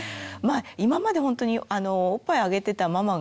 今までほんとにおっぱいあげてたママが例えばですね